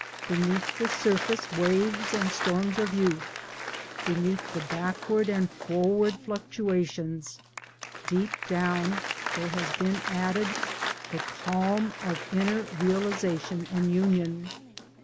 Beneath the surface waves and storms of youth, beneath the backward and forward fluctuations, deep down, there has been added the calm of inner realization and union.